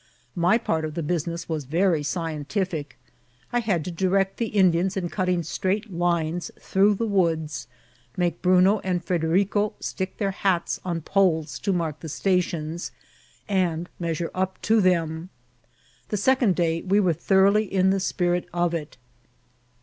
My part of the business was very scientific. I had to dire<^ the Indians in cutting straight lines through the woods, make Bruno and Frederico stick their hats on poles to mark the stations, and measure up to them. The seo ond day we were thoroughly in the spirit of it.